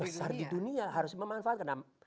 besar di dunia harus memanfaatkan